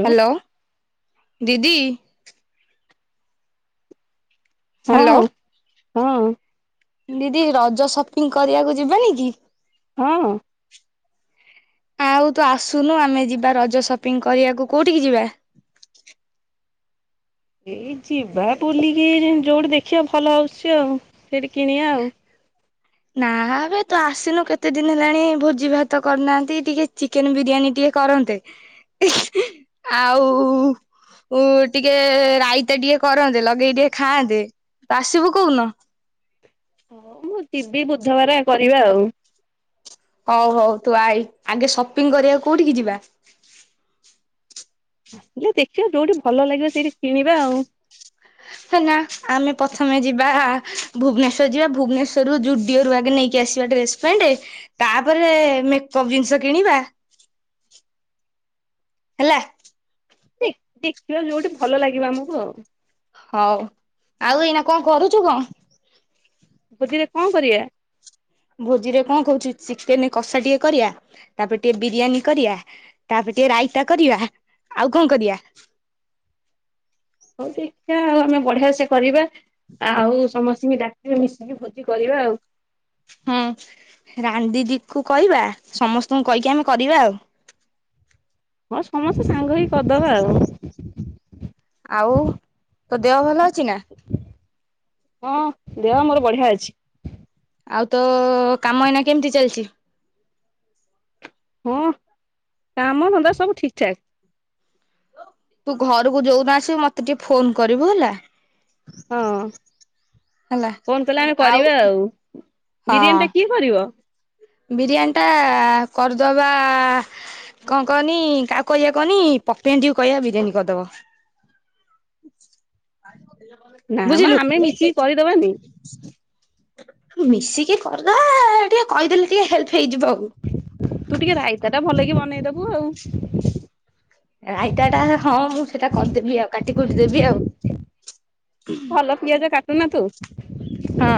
Hello. ଦିଦି hello. ହଁ। ହଁ। ଦିଦି ରଜ ସପିଂ କରିବାକୁ ଯିବେନି କି? ହଁ। ଆଉ ତୁ ଆସୁନୁ ଆମେ ଯିବା ରଜ ସପିଙ୍ଗ କରିବାକୁ କୋଉଠିକି ଯିବା? ଏଇ ଯିବା ବୁଲିକି ଯୋଉଠି ଦେଖିବା ଭଲ ଆଉଛି ଆଉ ସେଠି କିଣିବା ଆଉ। ନା ଏବେ ତୁ ଆସିନୁ କେତେ ଦିନ ହେଲାଣି ଭୋଜି ଭାତ କରିନାହାଁନ୍ତି ଟିକେ ଚିକେନ ବିରିୟାନୀ ଟିକେ କରନ୍ତେ ଆଉ ଟିକେ ରାଇତା ଟିକେ କରନ୍ତେ ଲଗେଇ ଟିକେ ଖାଆନ୍ତେ ତ ଆସିବୁ କୋଉନ? ହଉ ମୁଁ ଯିବି ବୁଧବାର କରିବା ଆଉ। ହଉ ହଉ ତୁ ଆଇ ଆଗେ ସପିଙ୍ଗ କରିବାକୁ କୋଉଠିକି ଯିବା? ହେଲେ ଦେଖିବା ଯୋଉଠି ଭଲ ଲାଗିବ ସେଇଠି କିଣିବା ଆଉ। ହେ ନା ଆମେ ପ୍ରଥମେ ଯିବା ଭୁବନେଶ୍ୱର ଯିବା ଭୁବନେଶ୍ଵରରୁ ଜୁଡିଓ ରୁ ଆଗେ ନେଇକି ଆସିବା ଡ୍ରେସ ପ୍ୟାଣ୍ଟ ତାପରେ ମେକପ ଜିନିଷ କିଣିବା ହେଲା। ଦେଖିବା ଯୋଉଠି ଭଲ ଲାଗିବ ଆମକୁ ଆଉ। ହଉ ଆଉ ଏଇନା କଣ କରୁଛୁ କଣ? ଭୋଜିରେ କଣ କରିବା? ଭୋଜିରେ କଣ କହୁଛି ଚିକେନ କଷା ଟିକେ କରିବା ତାପରେ ଟିକେ ବିରିୟାନୀ କରିବା ତାପରେ ଟିକେ ରାଇତା କରିବା ଆଉ କଣ କରିବା? ହଉ ଦେଖିଆ ଆଉ ଆମେ ବଢିଆ ସେ କରିବା। ଆଉ ସମସ୍ତଙ୍କୁ ଡାକି ସମସ୍ତେ ମିଶିକି ଭୋଜି କରିବା ଆଉ। ହଁ ରାନି ଦିଦିକୁ କହିବା ସମସ୍ତଙ୍କୁ କହିକି ଆମେ କରିବା ଆଉ। ହଁ ସମସ୍ତେ ସାଙ୍ଗ ହେଇ କରିଦବା ଆଉ। ଆଉ ତୋ ଦେହ ଭଲ ଅଛି ନା? ହଁ ଦେହ ମୋର ବଢିଆ ଅଛି। ଆଉ ତ କାମ ଏଇନା କେମିତି ଚାଲିଛି? ହଁ କାମ ଧନ୍ଦା ସବୁ ଠିକ ଠାକ୍। ତୁ ଘରକୁ ଯୋଉଦିନ ଆସିବୁ ମୋତେ ଟିକେ ଫୋନ କରିବୁ ହେଲା। ହଁ ହେଲା ଫୋନ୍ କଲେ ଆମେ କରିବା ଆଉ। ହଁ ବିରିୟାନୀ ଟା କିଏ କରିବ? ବିରିୟାନୀ ଟା କରିଦବା କଣ କହନି କାହାକୁ କହିବା କହନି ପପି ଆଣ୍ଟିକୁ କହିବା ବିରିୟାନୀ କରିଦବ। ନା ମ ବୁଝିଲୁ। ଆମେ ମିଶିକି କରିଦବାନି। ମିଶିକି କରିଦବା ଟିକେ କହିଦେଲେ ଟିକେ ହେଲ୍ପ ହେଇଯିବ ଆଉ। ତୁ ଟିକେ ରାଇତା ଟା ଭଲକି ନେଇଦବୁ ଆଉ। ରାଇତା ଟା ହଁ ମୁଁ ସେଇଟା କରିଦେବି ଆଉ କା କହିଥିଲେ ଦିଅ ଭଲ ପିଆଜ କା ଶୁଣ ନା ତୁ ହଁ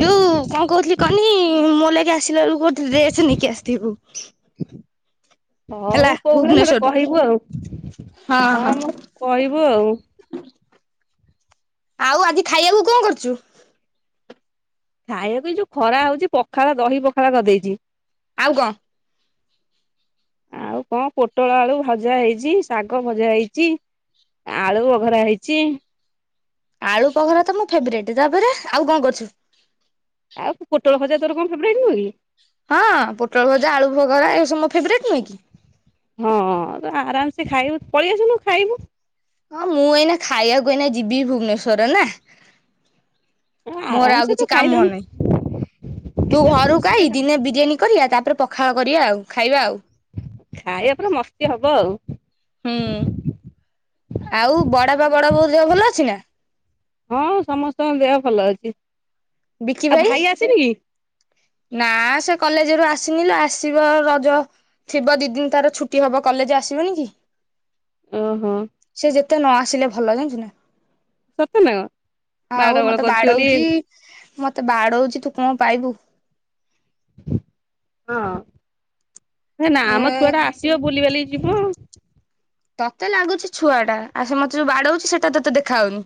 ଯୋଉ କଣ କହୁଥିଲି। କହ୍ନେଇ ମୋ ଲାଗି ଆସିଲା ବେଳକୁ ଗୋଟେ ଡ୍ରେସ ନେଇକି ଆସିଥିବୁ ହେଲା ହଉ କୋଉ ଭଳିଆ ତାହେଲେ ଭୁବନେଶ୍ଵରରୁୁ କହିବୁ ଆଉ। ହଁ ମୁଁ କହିବୁ ଆଉ। ଆଉ ଆଜି ଖାଇବାକୁ କଣ କରୁଛୁ? ଖାଇବାକୁ ଯୋଉ ଖରା ହଉଛି ପଖାଳ ଦହି ପଖାଳ କରିଦେଇଛି। ଆଉ କଣ? ଆଉ କଣ ପୋଟଳ ଆଳୁ ଭଜା ହେଇଛି ଶାଗ ଭଜା ହେଇଛି ଆଳୁ ଅଘରା ହେଇଛି। ଆଳୁ ପଖାଳ ତ ମୁଁ ଫେବରେଟ ତାପରେ ଆଉ କଣ କରୁଛୁ? ଆଉ ପୋଟଳ ଭଜା ତୋର କଣ ଫେଭରାଇଟ ନୁହଁ କି? ହଁ ପୋଟଳ ଭଜା ଆଳୁ ଭଗରା ଏ ସବୁ ମୋ ଫେଭରାଇଟ ନୁହଁ କି? ହଁ ତ ଆରାମସେ ଖାଇବୁ ପଳେଇ ଆସୁନୁ ଖାଇବୁ। ହଁ ମୁଁ ଏଇନା ଖାଇବାକୁ ଏଇନା ଯିବି ଭୁବନେଶ୍ଵରରେ ନା। ମୋର ଆଉ ଆରାମସେ ତୁ କିଛି କାମ ଖାଇଦଉନୁ ନାହିଁ ତୁ କେତେ ଘରକୁ ଖୁସିରେ ଖାଇ ଦିନେ ବିରିୟାନୀ କରିବା ତାପରେ ପଖାଳ କରିବା ଆଉ ଖାଇବା ଆଉ। ଖାଇବା ପୁରା ମସ୍ତି ହବ ଆଉ। ହୁଁ ଆଉ ବଡ ପା ବଡ ବୋଉ ଦେହ ଭଲ ଅଛି ନା? ହଁ ସମସ୍ତଙ୍କ ଦେହ ଭଲ ଅଛି। ବିକି ଆଉ ଭାଇ ଆସିନି କି? ନା ସେ କଲେଜ ରୁ ଆସିନି ଲୋ ଆସିବ ରଜ ଥିବ ଦି ଦିନ ତାର ଛୁଟି ହବ କଲେଜ ଆସିବନି କି। ଓହୋ। ଏତେ ନ ଆସିଲେ ଭଲ ଜାଣିଚୁ ନା ସତ ନା କଣ ଆଉ ମାଡ ମତେ ଗୋଳ କରୁଚି ବୋଲି ବାଡଉଛି ମତେ ବାଡଉଚି ତୁ କଣ ପାଇବୁ। ହଁ। ହେ ନା ମ ଏ ଛୁଆ ଟା ଆସିବ ବୁଲିବାଲି ଯିବ ଆଉ। ତତେ ଲାଗୁଚି ଛୁଆ ଟା ଆଉ ସେ ମତେ ଯୋଉ ବାଡହଉଚି ସେଟା ତୋତେ ଦେଖା ହାଉନି।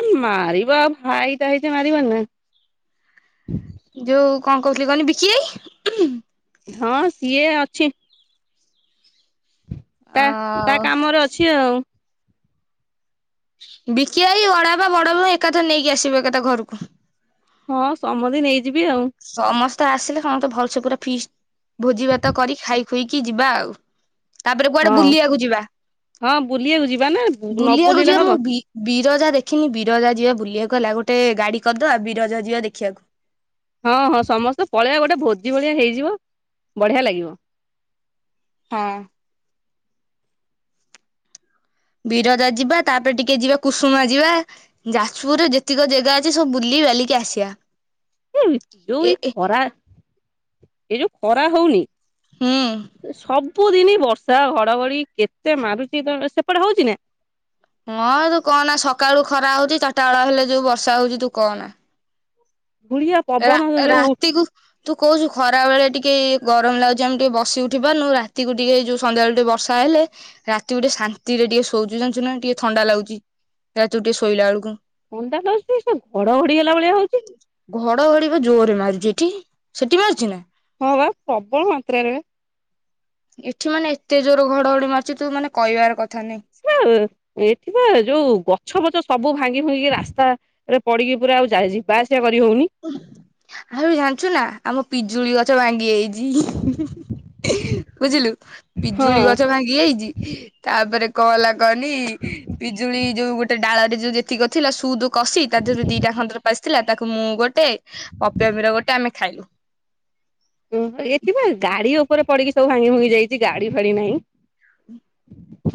ଏ ମାରିବା ଭାଇ ଟା ହେଇଚି ମାରିବନି ନା। ଯୋଉ କଣ କହୁଥିଲି କହନି ବିକି ଭାଇ? ହଁ ସିଏ ଅଛି ଅ ତା ତା କାମରେ ଅଛି ଆଉ। ବିକି ଆଇ ବଡ ବାପା ବଡ ଭାଇ ଏକାଥରେ ନେଇକି ଆସିବୁ ଏକଥା ଘରକୁ। ହଁ ସମସ୍ତେ ନେଇ ଯିବି ଆଉ। ତ ଆସିଲେ ହଁ ତ ଭଲ ସେ ପୁରା ଫିଷ୍ଟ ଭୋଜି ଭାତ କରି ଖାଇ- ବୁହିକି ଯିବା ଆଉ ତାପରେ କୁଆଡେ ହଁ ବୁଲିବାକୁ ଯିବା ହଁ ବୁଲିବାକୁ ଯିବା ନା ନ ବୁଲିବାକୁ ବୁଲିଲେ ଯିବା ହବ ମୁଁ ବିରଯା ଦେଖ ଦେଖିନି ବିରଜା ଯିବା ବୁଲିବାକୁ ହେଲା ଗୋଟେ ଗାଡି କରିଦବା ଆଉ ବିରଜା ଯିବା ଦେଖିବାକୁ ହଁ ହଁ ସମସ୍ତେ ପଳେଇବା ଗୋଟେ ଭୋଜି ଭଳିଆ ହେଇଯିବ ବଢିଆ ଲାଗିବ ହଁ ବିରଯା ଯିବା ତାପରେ ଟିକେ ଯିବା କୁସୁମା ଯିବା ଯାଜପୁରରେ ଯେତିକ ଜାଗା ଅଛି ସବୁ ବୁଲିକି ବାଲିକି ଆସିବା ଏୟୁ ଯଉ ଏ ଏଇ ଏ ଖରା ଏଇ ଯଉ ଖରା ହଉନି ହୁଁ ତ ସବ ବୁ ଦିନି ବର୍ଷା ଘଡ଼ଘଡି କେତେ ମାରୁଚି ତମ ସେ ପଟେ ହଉଚି ନା? ହଁ ତୁ କହନା ସକାଳୁ ଖରା ହଉଚି ଚାରିଟା ବେଳ ହେଲେ ଯୋଉ ବର୍ଷା ହଉଚି ତୁ କହନା। ଧୁଳିଆ ରା ପବନ ଯୋଉ ରାତିକୁୁ ତୁ କହୁଚୁ ଖରା ବେଳେ ଟିକେ ଟିକେ ଗରମ ଲାଗୁଛି ଆମେ ଟିକେ ବସି ଉଠି ପାରୁନୁ ରାତିକୁ ଟିକେ ଯୋଉ ସନ୍ଧ୍ୟାବେଳ ଟିକେ ବର୍ଷା ହେଲେ ରାତିକୁ ଟିକେ ଶାନ୍ତିରେ ଟିକେ ଶୋଉଚୁ ଜାଣିଚୁନା ଟିକେ ଥଣ୍ଡା ଲାଗୁଚି ରାତିକୁ ଟିକେ ଶୋଇଲା ବେଳକୁ। ଥଣ୍ଡା ଲାଗୁଛି ସେ ଘଡଘଡି ହେଲା ଭଳିଆ ହଉଛି ଘଡ଼ଘଡ଼ି ବା ଜୋରେ ମାରୁଚି ଏଠି ସେଠି ମାରୁଚି ନା? ହଁ ବା ସବଳ ମାତ୍ରାରେ ବା। ଏଠି ମାନେ ଏତେ ଜୋର ଘଡଘଡି ମାରୁଚି ତୁ ମାନେ କହିବାର କଥା ନାଇଁ ସେ ଏଠି ପା ଯୋଉ ଗଛ ଫଛ ସବୁ ସବୁ ଭାଙ୍ଗି ଭୁଙ୍ଗିକି ରାସ୍ତା ରେ ପଡିକି ପୁରା ଆଉ ଯାଇ ଆଉ ଯିବା ଆସିବା କରି ହଉନି ଆବେ ଜାଣିଚୁ ନା ଆମ ପିଜୁଳି ଗ ଛ ଭାଙ୍ଗି ଯାଇଚି ଚି ବୁଝିଲୁ? ପିଜୁଳି ହଁ ଗଛ ଭାଙ୍ଗି ଯାଇଚି ତାପରେ କଲା ଗନି ପିଜୁଳି ଯୋଉ ଗୋଟେ ଡାଳରେ ଯଉ ଯେତିକ ଥିଲା ସୁଦ କଷି ତା ଦେହରେ ଦିଟା ଖଣ୍ଡର ପାଚ ଥିଲା ତାକୁ ମୁଁ ଗୋଟେ ପେ ପପିବାରେ ଗୋଟେ ଆମେ ଖାଇଲୁ। ଓହ ଏଥିବା ଗାଡି ଅ ଉପରେ ପଡିକି ସବୁ ଭାଙ୍ଗି ଭୁଙ୍ଗି ଯାଇଛି ଗାଡି ଫାଡି ନାହିଁ।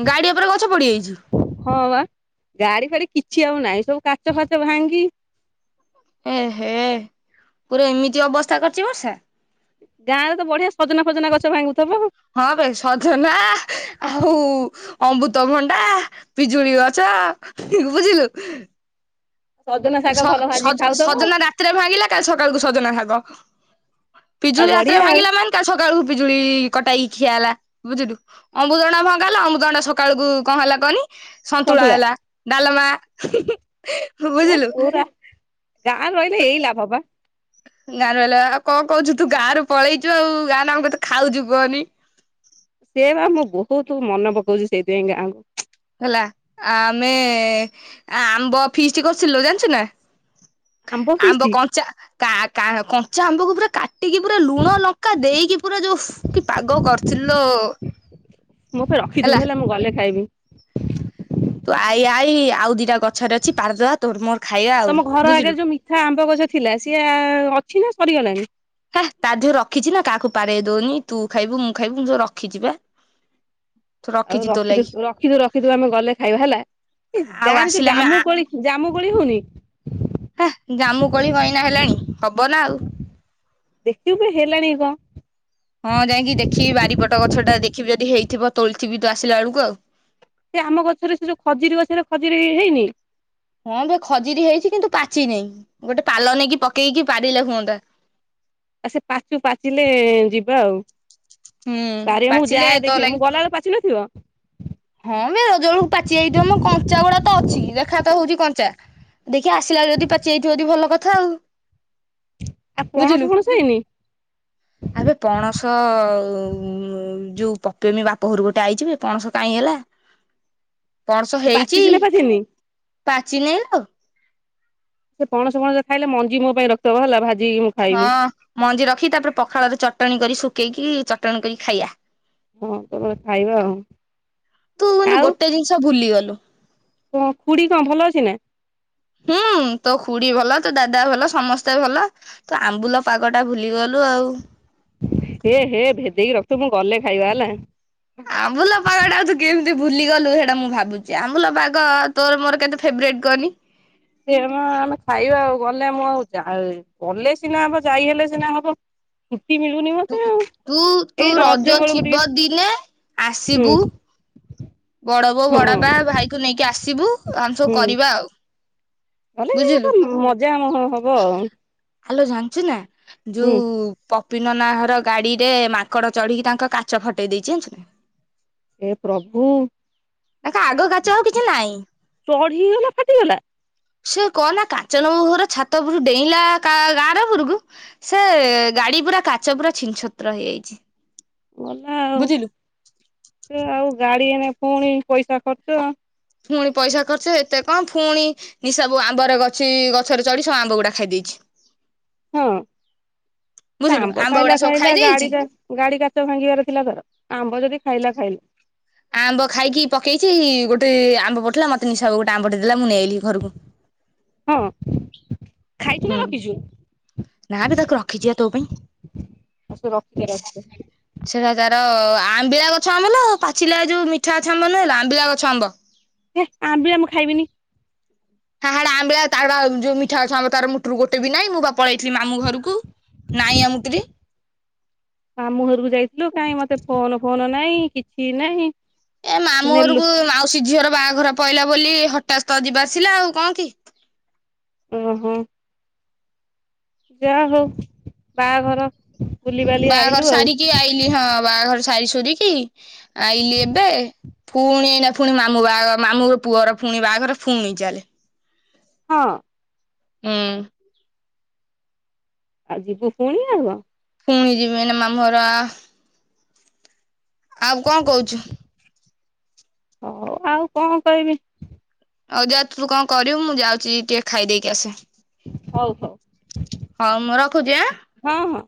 ଗାଡି ଉପରେ ଗଛ ପଡିଯାଇଚି। ହଁ ବା ଗାଡି ଫାଡି କିଛି ଆଉ ନାହିଁ ସବୁ କାଚ ଫାଚ ଭାଙ୍ଗି ଏ ହେ ପୁରା ଏମିତି ଅବସ୍ଥା କରିଚି ବର୍ଷା। ଗାଁରେ ତ ବଢିଆ ସଜନା ଫଜନା ଗଛ ଭାଙ୍ଗୁ ହଁ ବେ ସଜନା ଆ ଆଉ ଅମୃତଭଣ୍ଡା ପିଜୁଳି ଗଛ ବୁଝିଲୁ। ସଜନା ଶାଗ ଭଲ ସ- ଭାଜି ସ-ସଜ ଖାଉଥିବ ସଜନା ରାତିରେ ଭାଙ୍ଗିଲା କାଲି ସକାଳ କୁ ସଜନା ଭାଗ। ଆଉ ପିଜୁଳି ବଢିଆ ରାତିରେ ଆଉ ଭାଙ୍ଗିଲା ମାନେ ତା ସକା ସକାଳୁ ପିଜୁଳି କଟାଇକି ଖିଆ ହେଲା ବୁଝିଲୁ ଅମୃତଭଣ୍ଡା ଭଙ୍ଗା ହେଲା ଅମୃତଭଣ୍ଡା ସକାଳୁ କୁ କଣ ହେଲା କହନି। ସନ୍ତୁଳା ହେଲା ଡାଲମା ହୁଁ ହୁଁ ବୁଝିଲୁ। ଗାଁ ରେ ରହିଲେ ଏଇ ଲାଭ ବା। ଗାଁରେ ରହିଲେ ଆଉ କଅଁ କହୁଚୁ ତୁ ଗାଁରୁ ପଳେଇଚୁ ଆଉ ଗାଁ ରେ ଆମେ କେତେ ଖାଉଚୁ କଅନି। ସେ ବା ମୁଁ ବହୁତୁ ମନେ ପକଉଚି ସେଇତି ପାଇଁ ଗାଁକୁ। ହେଲା ଆ-ଆମେ ଆମ୍ବ ଫିଷ୍ଟ୍ କରିଥିଲୁ ଜାଣିଚୁ ନା। ଆମ୍ବ କଞ୍ଚା କା-କା-କ କଞ୍ଚା ଆମ୍ବକୁ ପୁରା କା ଟିକି ପୁରା ଲୁଣ ଲଙ୍କା ଦେଇକି ପୁରା ଯୋଉ ଉସ୍ କି ପାଗ କରିଥିଲ ଲୋ ମୋ ପାଇଁ ରଖିଥିବୁ ହେଲା। ମୁଁ ଗଲେ ଖାଇବି। ତୁ ଆଇ ଆଇ ଆଉ ଦିଟା ଗଛରେ ଅଛି ପାରି ଦବା ତୋର ମୋର ଖାଇବା ଆଉ ତମ ଘର ବୁଝିଲୁ। ଆଗରେ ଯୋଉ ମିଠା ଆମ୍ବ ଗଛ ଥିଲା ସିଏ ଏ ଅଛି ନା ସରିଗଲାଣି। ହେଁ ତା ଧିଅରୁ ରଖିଚି ନା କାହାକୁ ପାରେଇ ଦଉନି ତୁ ଖାଇବୁ ମୁଁ ଖାଇବି ମୁଁ ସବୁ ରଖିଛି ପା। ଆଉ ରଖିଦେ ରଖିଦେ ରଖିଦେ ଆମେ ଗଲେ ଖାଇବା ହେଲା ଆଉ ଗାଁରେ ଯୋଉ ଆସିଲେ ଆମେ ଆ ଜାମୁ କୋଳି ଜାମୁ କୋଳି ହୁଏ ନି। ହେ ଜାମୁ କୋଳି କଇନା ହେଲାଣି ହବ ନା ଆଉ। ଦେଖିବୁ ହେଲାଣି କଣ? ହଁ ଯାଇକି ଦେଖିବି ବାରିପଟ ଗଛ ଟା ଦେଖିବି ଯଦି ହେଇଥିବ ତୋଳିଥିବି ତୁ ଆସିଲା ବେଳକୁ ଆଉ। ସେ ଆମ ଗଛରେ ସେଇ ଯୋଉ ଖଜିୁରି ଗଛରେ ଖଜିୁରି ହେଇନି। ହଁ ବେ ଖଜିରି ହେଇଚି କିନ୍ତୁ ପାଚିନେଇ ଗୋଟେ ପାଲ ନେଇକି ପକେଇକି ପାରିଲେ ହୁଅନ୍ତା। ଆ ସେ ପାଚୁ ପାଚିଲେ ଏ ଯିବା ଆଉ। ହୁଁ ପାରିବା ମୁଁ ପାଚିଲେ ଯାଏ ତୋ ଦେଖେ ଲାଗି ମୁଁ ଗଲାବେଳୁ ପାଚି ନଥିବ? ହଁ ବେ ରଜ ବେଳକୁ ପାଚି ଯଇଥିବ ମ କଞ୍ଚା ଗୁଡା ତ ଅଛି ଦେଖା ତ ହଉଚି କଞ୍ଚା। ଦେଖିବା ଆସିଲା ଯଦି ପାଚିଯାଇଥିବ ଯଦି ଭଲ କ ଥାଉ। ଆଉ ପଣସ ବୁଝିଲୁ ଫଣସ ହେଇନି? ଆବେ ପଣସ ଉ ଉ ଯୋଉ ପପେଇମି ବାପ ଘରୁ ଗୋଟେ ଆଇଚି ବେ ପଣସ। କାଇଁ ହେଲା। ପଣସ ସେ ହେଇଛି ପାଚିଛି ନା ପାଚିନି? ପାଚିନି ଆଉ ସେ ପଣସ ଫଣସ ଖାଇଲେ ମଞ୍ଜି ମୋ ପାଇଁ ରଖିଦବ ହେଲା ଭା ହଁ ମଞ୍ଜି ରଖି ତାପରେ ପଖାଳରେ ଚଟଣି କରି ଶୁ ଖେଇକି ଚଟଣୀ କରିଖାଇବା। ହଁ ତାପରେ ଖାଇବା ଆଉ। ତୁ ମାନେ ଆଉ ଗୋଟେ ଜିନିଷ ଭୁଲିଗଲୁ। କଣ ଖୁଡି କଣ ଭଲ ଅଛି ନା? ହୁଁ ତୋ ଖୁଡି ଭଲ ତୋ ଦାଦା ଭଲ ସମସ୍ତେ ଭଲ ତୋ ଆମ୍ବୁଲ ପାଗ ଟା ଭୁଲିଗଲ ହେ ହେ ଭେଦେଇ ର ତୁ ମୁଁ ଗଲେ ଖାଇବା ହେଲା। ଆମ୍ବୁଲ ପାଗ ଟା ତୁ କେମିତି ଭୁଲିଗଲୁ ସେଇଟା ମୁଁ ଭାବୁଛି ଆମ୍ବୁଲ ପାଗ ତୋର ମୋର କେତେ ଫେବରଟ କହନି। ସିଏ ଆମ ଆମେ ଖାଇବା ଆଉ ଗଲେ ଆମ ଆଉ ଯା ଗଲେ ସିନା ହବ ଯାଇ ହେଲେ ସିନା ହବ ହୁଁ। ତୁ ତୁ ତୁ ରଜ ବେଳକୁ ଟିକେ ଥିବ ଦିନେ ହୁଁ ଆସିବୁ। ବଡ ବୋଉ ହଁ ବଡ ବା ଭାଇ କୁ ନେଇକି ଆସିବୁ। ଆମେ ସବୁ କରିବା ଆଉ। କଲେ ବୁଝିଲୁ। ଗୋଟେ ମଜା ହଁ ହବ ଆଉ। ଆଲୋ ଜାଣିଛୁ ନା ହୁଁ ଯୋଉ ପ ପି ନନା ଘର ଗାଡିରେ ମାଙ୍କଡ ଚଢିକି ତାଙ୍କ କାଚ ଫଟେଇ ଦେଇଛି। ଏ ପ୍ରଭୁ ତାଙ୍କ ଆଗ କାଚ ଆଉ କିଛି ନାହିଁ। ଚଢ଼ିଗଲା ଫାଟିଗଲା। ସେ କହନା କାଞ୍ଚନ ମାମୁଁ ଘର ଛାତ ଉପୁର ଡେଇଁଲା କାର କାର ଉପରକୁ ସେ ଗାଡି ପୁରା କାଚ ପୁରା ଛିନ ଛତ୍ର ହେଇଯାଇଛି। ଗଲା ଆଉ ବୁଝିଲୁ। ତ ଆଉ ଗା ଡି ଏନେ ପୁଣି ପଇସା ଖର୍ଚ୍ଚ। ପୁଣି ପଇସା ଖର୍ଚ୍ଚ ଏତେ କଣ ପୁଣି ନିସା ସବୁ ଆମ୍ବରେ ଗଛି ଗଛରେ ଚଢି ସବୁ ଆମ୍ବ ଗୁଡା ଖାଇ ଦେଇଛି। ହଁ ବୁଝିଲୁ ଆମ୍ବ ଗୁଡା ଖାଇଲା ସବୁ ଖାଇଲା ଖାଇ ଗାଡି ଦେଇଛି ଟା ଗାଡି କାଚ ଭାଙ୍ଗିବାର ଥିଲା ଧର ଆମ୍ବ ଯଦି ଖାଇଲା ଖାଇ ଆମ୍ବ ଖାଇକି ପକେଇଛି ଗୋଟେ ଆମ୍ବ ପଠେଇଲା ମୋତେ ନିଶା କୁ ଗୋଟେ ଆମ୍ବ ଟେ ଦେଲା ମୁଁ ନେଇ ଆଇଲି ଘରକୁ ହଁ ଖାଇଛୁ ନା ହୁଁ ରଖିଛୁ? ନା ବେ ତାକୁ ରଖିଛିି ବା ତୋ ପାଇଁ ଆଉ ସେ ରଖିଦେ ରଖିଦେ। ସେଟା ତାର ଆମ୍ବିଳା ଗଛ ଆମ୍ୱ ଲୋ ପାଚିଲା ଯୋଉ ମିଠା ଗଛ ଆମ୍ବ ନୁହେଁଲ ଆମ୍ବିଳା ଗଛ ଆମ୍ବ ହେ ଆମ୍ବିଳା ମୁଁ ଖାଇବିନି [unintelligible] ଆମ୍ବିଳା ତାର ଯୋଉ ମିଠା ଗଛ ଆମ୍ବ ତାର ଗୋଟେ ବି ନାଇଁ ମୁଁ ବା ପଳେଇଥିଲି ମାମୁଁ ଘରକୁ ନାଇଁ ଆମୁତିରେ ମାମୁଁ ଘରକୁ ଯାଇଥିଲୁ କାଇଁ ମୋତେ ଫୋନ ଫୋନ ନାହିଁ କିଛି ନାହିଁ ଏ ମାମୁଁ ଘରକୁ ମାଉସୀ ଝିଅର ବାହାଘର ପଇଲା ବୋଲି ହଠାତ୍ ଯିବା ଆସିଲା ଆଉ କଣ କି? ଓ ହୋ ଯାହା ହଉ ବାହାଘର ବୁଲିବାଲି ବାହାଘର ଆଇଲୁ ଆଉ ସାରିକି ଆଇଲି ହଁ ବାହାଘର। ସାରି ସୁରିକି ଆଇଲି ଏବେ ପୁଣି ନା ପୁଣି ମାମୁଁ ବାହାଘର ମାମୁଁ ପୁଅର ପୁଣି ବାହାଘର ପୁଣି ଚାଲେ। ହଁ ହୁଁ ଆ ଯିବୁ ଫୁଣି ନା କଣ? ପୁଣି ଯିବି ଏଇନା ମାମୁଁଘର। ଆଉ କଣ କହୁଛୁ? ହଉ ଆଉ କଣ କହିବି? ଆଉ ଯା ତୁ କଣ କରିବୁ ମୁଁ ଯାଉଛି ଟିକେ ଖାଇଦେଇକି ଆସେ। ହଉ ହଉ ହଉ ମୁଁ ରଖୁଛି ଆଁ। ହଁ ହଁ।